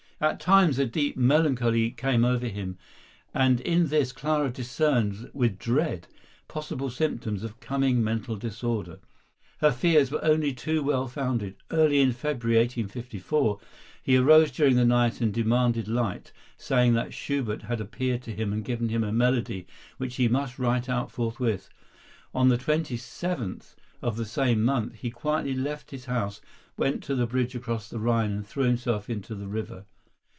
At times a deep melancholy came over him, and in this Clara discerned with dread possible symptoms of coming mental disorder. Her fears were only too well founded. Early in February, 1854, he arose during the night and demanded light, saying that Schubert had appeared to him and given him a melody which he must write out forthwith. On the 27th of the same month, he quietly left his house, went to the bridge across the Rhine and threw himself into the river.